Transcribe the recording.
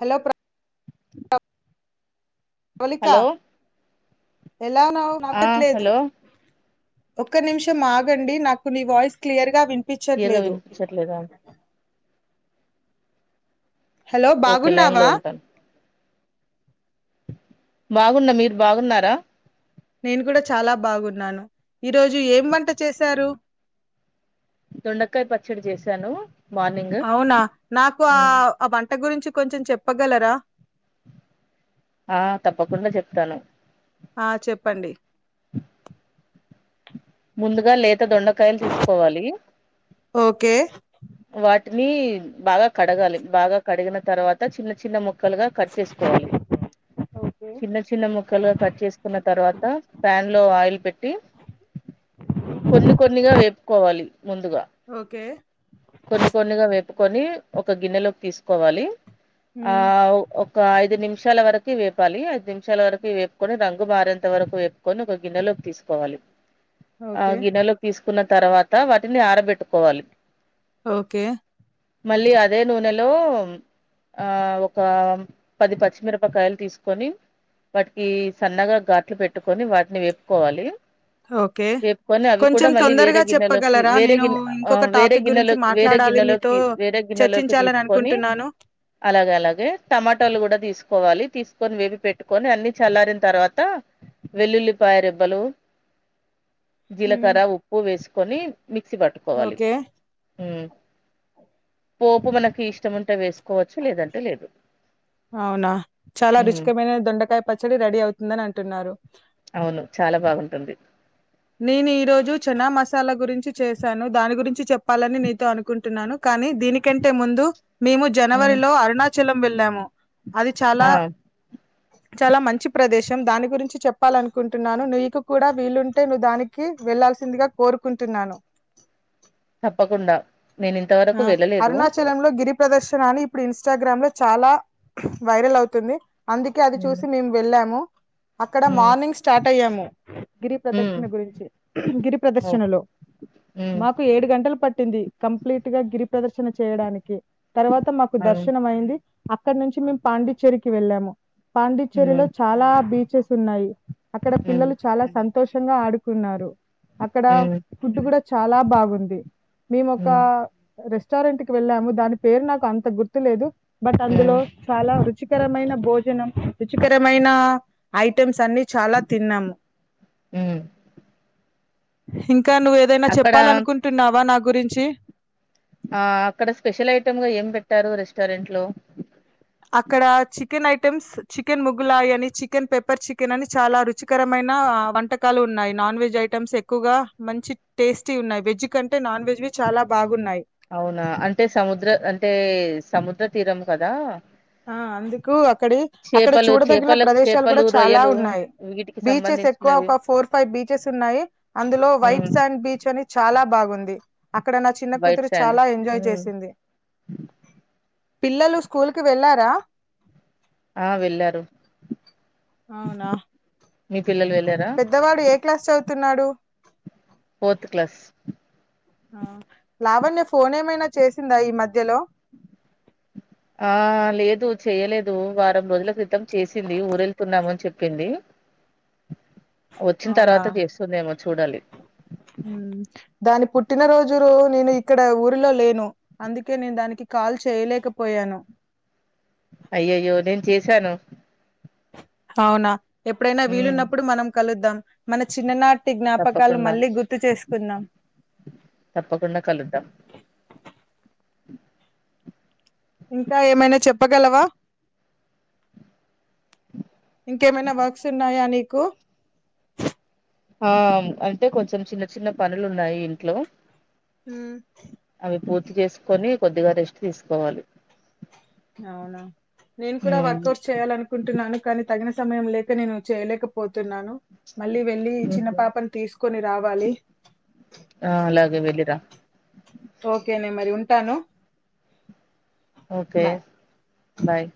hello Pravalika hello ఎలా ఉన్నావు ఆ మాపట్లేదు హలో ఒక్క నిమిషం ఆగండి నాకు నీ వాయిస్ క్లియర్గా వి ఏదో వినిపించట్లేదా హలో ఓకే లైన్ లో బాగున్నావా ఉంటాను బాగున్న మీరు బాగున్నారా నేను కూడా చాలా బాగున్నాను ఈరోజు ఏం వంట చేశారు దొండకాయ పచ్చడి చేసాను అవునా నాకు ఆ ఆ వంట గురించి కొంచెం చెప్పగలరా ఆ తప్పకుండా చెప్తాను ఆ చెప్పండి ముందుగా లేత దొండకాయలు తీసుకోవాలి ఓకే వాటిని బాగా కడగాలి బాగా కడిగిన తర్వాత చిన్న చిన్న ముక్కలుగా కట్ చేసుకోవాలి ఓకే చిన్న చిన్న ముక్కలుగా కట్ చేసుకున్న తర్వాత ప్యాన్లో ఆయిల్ పెట్టి కొన్ని కొన్నిగా వేపుకోవాలి ముందుగా ఓకే కొన్ని కొన్నిగా వేపుకొని ఒక గిన్నెలోకి తీసుకోవాలి ఆ ఉమ్, ఒక ఐదు నిమిషాల వరకు వేపాలి ఐదు నిమిషాల వరకు వేపుకొని రంగు మారేంత వరకు వేపు కొన్ని ఒక గిన్నెలోకి తీసుకోవాలి [unintelligible] ఆ ఓకే గిన్నెలో తీసుకున్న తర్వాత వాటిని ఆరబెట్టుకోవాలి ఓకే మళ్ళీ అదే నూనెలో ఆ ఒక పది పచ్చిమిరపకాయలు తీసుకు కొని వాటికి సన్నగా ఘాట్లు పెట్టుకొని వాటిని వేపుకోవాలి ఓకే వేపుకొని అవి కూడా కొంచెం మళ్ళీ వేరే తొందరగా గిన్నెలోకి చెప్పగలరా వేరే నేను గిన్నె ఇంకొక వేరే టాపిక్ గురించి గిన్నెలో వేరే మాట్లాడాలి మీతో గిన్నెలోకి వేరే గిన్నెలోకి చర్చించాలని తీసుకొని అనుకుంటున్నాను అలాగే అలాగే టమాటాలు కూడా తీసుకోవాలి తీసుకొని వేపి పెట్టుకొని అన్ని చల్లారిన తర్వాత వెల్లుల్లిపాయ రెబ్బలు [unintelligible] జీలకర్ర ఉప్పు వేసుకొని మిక్సీ పట్టుకోవాలి ఓకే ఉ పోపు మనకి ఇష్టం ఉంటే వేసుకోవచ్చు లేదంటే లేదు అవునా చాలా ఉమ్ రుచికమైన దొండకాయ పచ్చడి రెడీ అవుతుందని అంటున్నారు అవును చాలా బాగుంటుంది నేను ఈ రోజు చనా మసాలా గురించి చేశాను దాని గురించి చెప్పాలని నీతో అనుకుంటున్నాను కానీ దీనికంటే ముందు మేము ఉమ్ జనవరిలో అరుణాచలం వెళ్ళాము అది చాలా ఆ చాలా మంచి ప్రదేశం దాని గురించి చెప్పాలనుకుంటున్నాను నీకు కూడా వీలు అంటే నువ్వు దానికి వెళ్లాల్సిందిగా కోరుకుంటున్నాను తప్పకుండా నేను ఇంత వరకు వెళ్ళలేదు చలంలో గిరి ప్రదర్శన అని ఇప్పుడు ఇన్స్టాగ్రామ్లో చాలా వైరల్ అవుతుంది అందుకే అది ఉమ్ చూసి మేమ్ వెళ్ళాము అక్కడ ఉమ్ మార్నింగ్ స్టార్ట్ అయ్యాము గిరి ఉమ్ ప్రదక్షణ గురించి గిరి ప్రదర్శిణలో ఉ ఏడు గంటలు పట్టింది కంప్లీట్గా గిరి ప్రదర్శన చేయడానికి తర్వాత మాకు అవును దర్శనం అయింది అక్కడ నుంచి మేము పాండిచ్చేరికి వెళ్ళాము పాండిచ్చేరిలో ఉమ్ చాలా బీచెస్ ఉన్నాయి అక్కడ ఉమ్ పిల్లలు చాలా సం సంతోషంగా ఆడుకున్నారు అక్కడ ఉమ్ ఫుడ్ కూడా చాలా బాగుంది మేము ఒక ఉమ్ రెస్టారెంట్ కి వెళ్ళాము దాని పేరు నాకు అంత గుర్తు లేదు బట్ అందులో ఉమ్ చాలా రుచికరమైన భోజనం రుచికరమైన ఐటెమ్స్ అన్ని చాలా తిన్నాము ఉమ్ ఇంకా నువ్వేదైనా అక్కడ చెప్పాలనుకుంటున్నావా నా గురించి ఆ అక్కడ స్పెషల్ ఐటెమ్ గా ఏం పెట్టారు రెస్టారెంట్ లో అక్కడ చికెన్ ఐటెమ్స్ చికెన్ ముగులాయ అని చికెన్ పెప్పర్ చికెన్ అని చాలా రు రుచికరమైన వంటకాలు ఉన్నాయి నాన్ వెజ్ ఐటెమ్స్ ఎక్కువగా మంచి టేస్ ఉన్నాయి వెజ్ కంటే నాన్ వెజ్వి చాలా బాగున్నాయి అవునా అంటే సముద్ర అంటే సముద్ర తీరం కదా ఆ అందుకు అక్కడి అక్కడ చేపలు చూడదగిన చేపల ప్రదేశాలు చేపలు కూడా చాలా రొయ్యలు ఉన్నాయ్ వీటికి బీచెస్ ఎక్కువ సంబంధించినవి ఒక ఫోర్ ఫైవ్ బీచెస్ ఉన్నాయి అందులో ఉమ్ వైట్ శాండ్ బీచ్ అని చాలా బాగుంది అక్కడ నా చిన్న వైట్ కూతురు శాండ్ చాలా ఎంజాయ్ ఉమ్ జేసింది పిల్లలు స్కూల్కి వెళ్ళారా ఆ వెళ్ళారు అవునా మీ పిల్లలు వెళ్లార పెద్దవాడు ఏ క్లాస్ చదువుతున్నాడు ఫోర్త్ క్లాస్ లావణ్య ఫోన్ ఏమైనా చేసిందా ఈ మధ్యలో ఆ లేదు చేయలేదు వారం రోజుల క్రితం చేసింది ఊరెళ్తున్నాము అని చెప్పింది వచ్చిన అవునా తర్వాత చేస్తుందేమో చూడాలి దాని పుట్టిన రోజురు నేను ఇక్కడ ఊరిలో లేను అందుకే నేను దానికి కాల్ చేయలేకపోయాను అయ్యయ్యో నేను చేశాను అవునా ఎప్పుడైనా ఉమ్ వీలున్నప్పుడు మనం కలుద్దాం మన చిన్ననాటి జ్ఞాపకాలు తప్పకుండా మళ్ళీ గుర్తు చేసుకుందాం తప్పకుండా కలుద్దాం ఇంకా ఏమైనా చెప్పగలవా ఇంకేమైనా వర్క్స్ ఉన్నాయా నీకు ఆ అంటే కొంచెం చిన్న చిన్న పనులు ఉన్నాయి ఇంట్లో హ్మ్ అవి పూర్తి చేసుకొని కొద్దిగా రెస్ట్ తీసుకోవాలి అవునా నేను కూడా ఉమ్ వర్కౌట్స్ చేయాలనుకుంటున్నాను కానీ తగిన సమయం లేక నేను చేయలేక పోతున్నాను మళ్ళీ వెళ్ళి చిన్న ఉహు పాపను తీసుకొని రావాలి ఆ అలాగే వెళ్ళిరా ఓకేనే మరి ఉంటాను ఓకే బాయ్ బాయ్